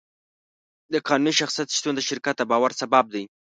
د قانوني شخصیت شتون د شرکت د باور سبب دی.